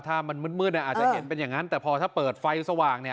ถ้ามันมืดอาจจะเห็นเป็นอย่างนั้นแต่พอถ้าเปิดไฟสว่าง